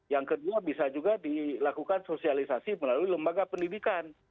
yang kedua bisa juga dilakukan sosialisasi melalui lembaga pendidikan